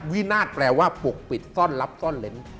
วินาศแปลว่าปกปิดซ่อนรับซ่อนเล้น